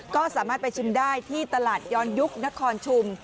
ก็สามารถไปชิมได้ที่ตลาดย้อนยุคนครชุม